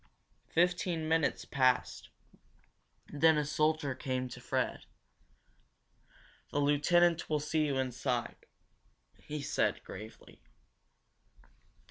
Fifteen minutes passed. Then a soldier came to Fred. "The lieutenant will see you inside," he said, gravely.